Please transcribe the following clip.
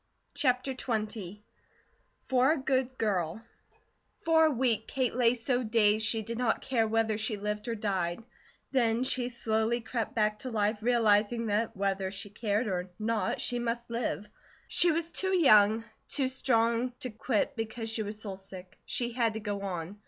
CHAPTER XX "FOR A GOOD GIRL" FOR a week, Kate lay so dazed she did not care whether she lived or died; then she slowly crept back to life, realizing that whether she cared or not, she must live. She was too young, too strong, to quit because she was soul sick; she had to go on.